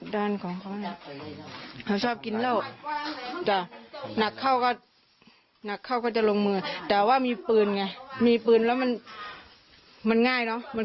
โดยทราบ